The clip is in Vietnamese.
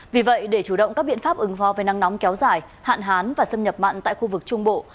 vì vậy để chủ động các biện pháp ứng phó với nắng nóng kéo dài hạn hán và xâm nhập mặn tại khu vực trung bộ